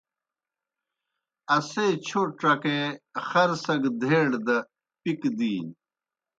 اشپوئے چھوٹ ڇکے خر سگہ دھیڑ دہ پکی دِینوْ